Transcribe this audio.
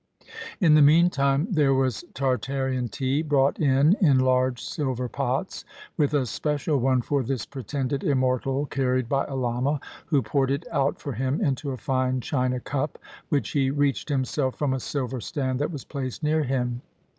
In the mean time there was Tartarian tea brought in in large silver pots, with a special one for this pretended immortal carried by a lama, who poured it out for him into a fine china cup, which he reached himself from a silver stand that was placed near him.